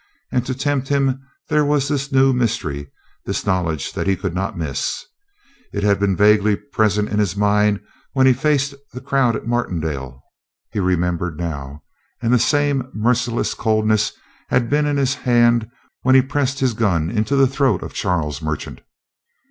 And to tempt him there was this new mystery, this knowledge that he could not miss. It had been vaguely present in his mind when he faced the crowd at Martindale, he remembered now. And the same merciless coldness had been in his hand when he pressed his gun into the throat of Charles Merchant.